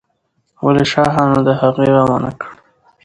ولې شاهانو د هغې غم ونه کړ؟